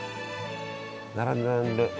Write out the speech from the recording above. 並んでる並んでる。